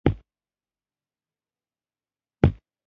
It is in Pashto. د مودودي کتابونو بازار تود شو